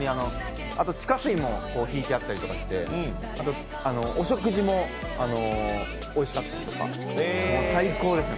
地下水も引いてあったりとかして、お食事もおいしかったりとかもう最高です。